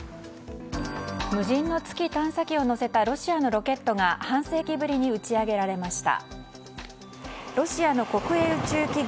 無人の月探査機を載せたロシアの探査機が半世紀ぶりに打ち上げられました。